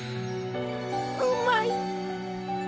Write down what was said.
うまい。